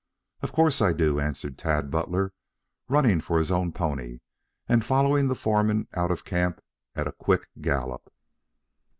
"Of course I do," answered Tad Butler, running for his own pony and following the foreman out of camp at a quick gallop.